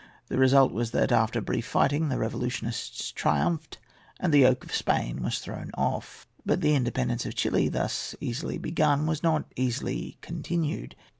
The result was that, after brief fighting, the revolutionists triumphed, and the yoke of Spain was thrown off. But the independence of Chili, thus easily begun, was not easily continued.